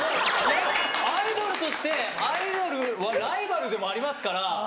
アイドルとしてアイドルはライバルでもありますから。